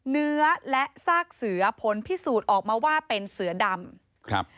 เนื้อและซากเสือผลพิสูจน์ออกมาว่าเป็นเสือดำครับ